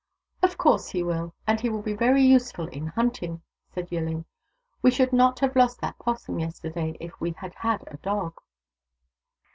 " Of course he will ; and he will be very useful in hunting," said Yilhn. " We should not have lost that 'possum yesterday if we had had a dog."